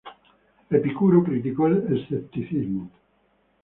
Epicuro criticó el escepticismo.